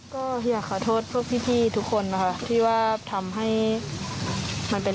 ก็อยากขอโทษพวกพี่ทุกคนนะคะที่ว่าทำให้มันเป็น